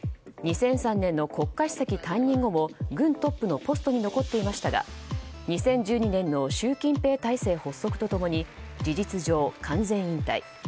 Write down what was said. ２００３年の国家主席退任後も軍トップのポストに残っていましたが２０１２年の習近平体制発足と共に事実上、完全引退。